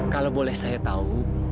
kalau boleh saya tahu